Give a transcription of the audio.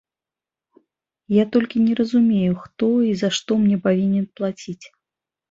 Я толькі не разумею, хто і за што мне павінен плаціць.